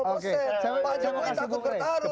pak jokowi takut bertarung